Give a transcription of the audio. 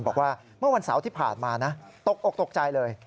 บอกว่าเมื่อวันเสาร์ที่ผ่านมานะตกอกตกใจเลย